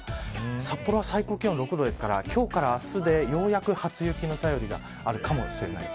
札幌は最高気温６度ですから今日から明日で、ようやく初雪の便りがあるかもしれません。